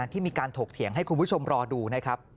ร่วงพื้นที่ตลาดชาวเทศบาลนครนครปฐมครับ